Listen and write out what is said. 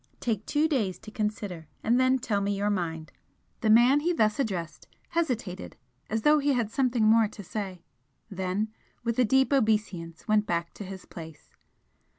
Take two days to consider and then tell me your mind." The man he thus addressed hesitated as though he had something more to say then with a deep obeisance went back to his place.